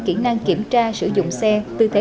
kỹ năng kiểm tra sử dụng xe tư thế